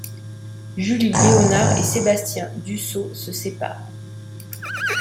Julie Léonard et Sébastien Dussault se séparent.